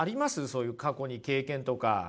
そういう過去に経験とか。